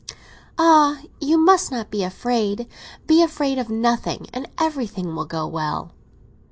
"Ah! you must not be afraid. Be afraid of nothing, and everything will go well!"